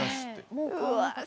うわ